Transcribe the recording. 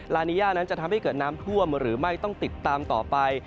ลานีย่านั้นจะทำให้เกิดน้ำท่วมหรือไม่ต้องติดตามต่อไป